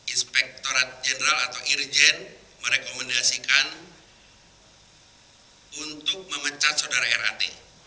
inspektorat jenderal atau irjen merekomendasikan untuk memecat saudara rat